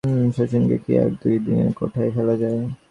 শচীশকে কি এক-দুই-তিনের কোঠায় ফেলা যায়?